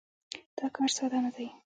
دا کار ساده نه دی.